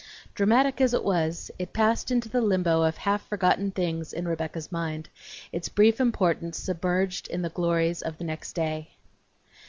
Dramatic as it was, it passed into the limbo of half forgotten things in Rebecca's mind, its brief importance submerged in the glories of the next day.